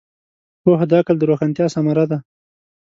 پوهه د عقل د روښانتیا ثمره ده.